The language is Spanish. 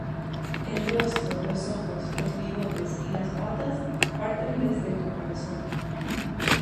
El rostro, los ojos, los bigotes y las patas parten desde el caparazón.